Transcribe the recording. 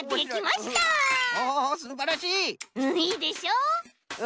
いいでしょ？